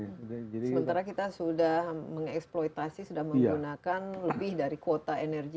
sementara kita sudah mengeksploitasi sudah menggunakan lebih dari kuota energi